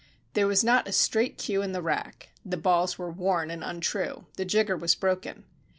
There was not a straight cue in the rack, the balls were worn and untrue, the jigger was broken.